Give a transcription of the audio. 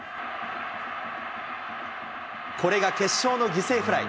これが決勝の犠牲フライ。